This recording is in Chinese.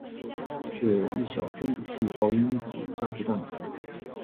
是一小分子细胞因子家族蛋白。